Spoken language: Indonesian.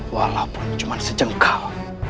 walaupun cuma sejengkal